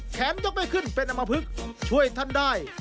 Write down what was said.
ยกไม่ขึ้นเป็นอมพลึกช่วยท่านได้